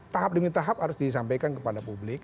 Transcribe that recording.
tahap demi tahap harus disampaikan kepada publik